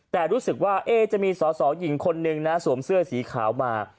แต่รู้สึกว่าจะมีสอสอหญิงคนนึงนะสวมเสื้อสีขาวมา